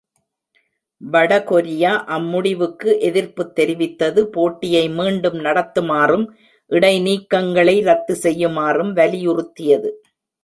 வட கொரியா அம்முடிவுக்கு எதிர்ப்புத் தெரிவித்தது, போட்டியை மீண்டும் நடத்துமாறும், இடை நீக்கங்களை ரத்து செய்யுமாறும் வலியுறுத்தியது.